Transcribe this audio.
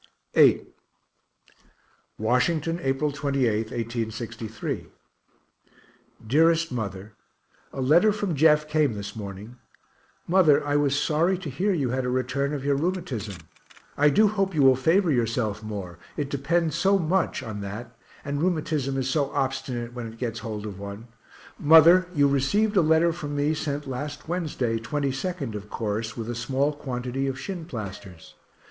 VIII Washington, April 28, 1863. DEAREST MOTHER A letter from Jeff came this morning. Mother, I was sorry to hear you had a return of your rheumatism I do hope you will favor yourself more, it depends so much on that and rheumatism is so obstinate, when it gets hold of one. Mother, you received a letter from me sent last Wednesday, 22nd, of course, with a small quantity of shinplasters.